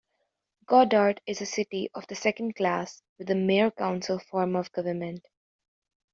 Goddard is a city of the second class with a mayor-council form of government.